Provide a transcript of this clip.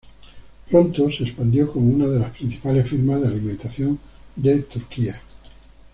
Pronto se expandió como una de las principales firmas de alimentación de Turquía.